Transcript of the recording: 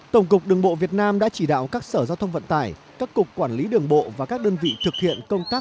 tổng cục đường bộ việt nam đã chỉ đạo các sở giao thông vận tải các cục quản lý đường bộ và các đơn vị thực hiện công tác